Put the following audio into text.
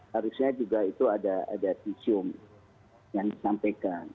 harusnya juga itu ada visum yang disampaikan